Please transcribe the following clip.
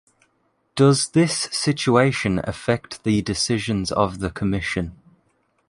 Does this situation affect the decisions of the commission?